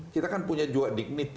kita kan punya juga dignity